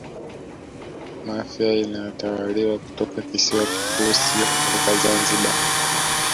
Mafia inatawaliwa kutoka kisiwa kikuu sio kutoka Zanzibar